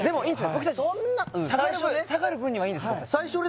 僕たち下がる分にはいいんですよ